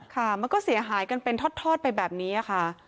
ค่ะมันก็เสียหายกันเป็นทอดไปแบบนี้ค่ะ